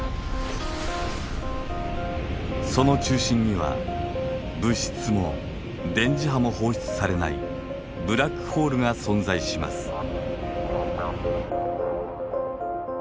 その中心には物質も電磁波も放出されないブラックホールが存在します。